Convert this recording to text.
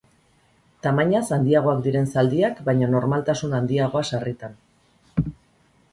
Tamainaz handiagoak diren zaldiak baino nortasun handiagoa sarritan.